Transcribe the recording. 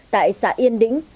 tại xã yên đĩnh